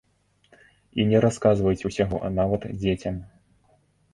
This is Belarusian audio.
І не расказваюць усяго нават дзецям.